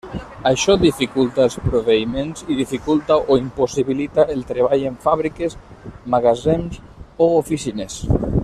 Això dificulta els proveïments i dificulta o impossibilita el treball en fàbriques, magatzems o oficines.